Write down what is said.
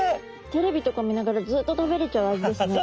テレビとか見ながらずっと食べれちゃう味ですね。